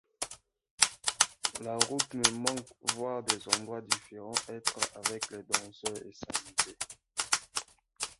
La route me manque, voir des endroits différents, être avec les danseurs et s'amuser.